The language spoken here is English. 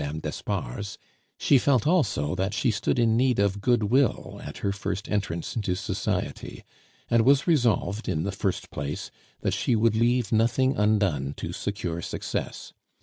de d'Espard's, she felt also that she stood in need of goodwill at her first entrance into society, and was resolved, in the first place, that she would leave nothing undone to secure success.